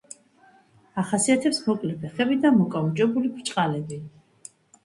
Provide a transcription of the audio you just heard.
ახასიათებს მოკლე ფეხები და მოკაუჭებული ბრჭყალები.